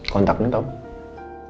kontaktnya tau gak